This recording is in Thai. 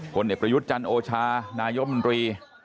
คนเด็กประยุทธ์จันโอชานายมดรี